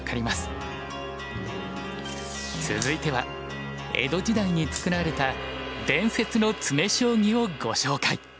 続いては江戸時代に作られた伝説の詰将棋をご紹介。